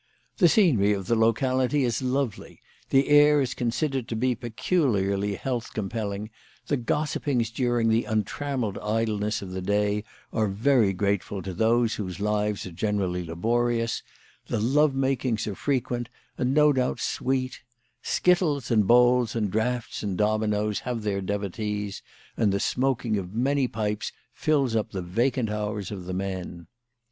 The scenery of the locality is lovely ; the air is con sidered to be peculiarly health compelling; the gos sipings during the untrammelled idleness of the day are very grateful to those whose lives are generally laborious ; the love makings are frequent, and no doubt sweet ; skittles and bowls and draughts and dominoes have their devotees; and the smoking of many pipes fills up the vacant hours of the men.